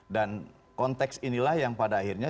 dan konteks inilah yang pada akhirnya